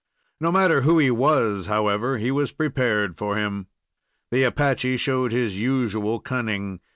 No matter who he was, however, he was prepared for him. The Apache showed his usual cunning.